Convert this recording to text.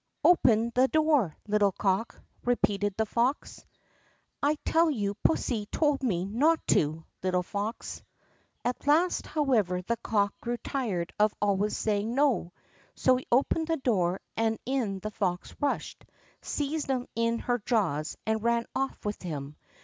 "Open the door, little cock!" repeated the fox. "I tell you pussy told me not to, little fox!" At last, however, the cock grew tired of always saying "No!" so he opened the door, and in the fox rushed, seized him in her jaws, and ran off with him.